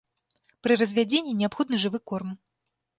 Пры развядзенні неабходны жывы корм.